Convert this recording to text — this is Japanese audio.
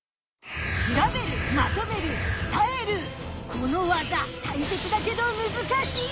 この技たいせつだけどむずかしい！